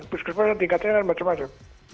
puskesmas tingkatnya dan macam macam